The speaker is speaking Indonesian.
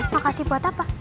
makasih buat apa